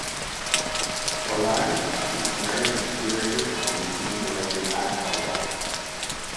Hollein is married to curator and museum director Max Hollein.